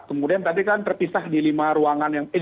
kemudian tadi kan terpisah di enam ruangan yang berbeda ya